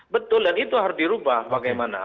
betul dan itu harus dirubah bagaimana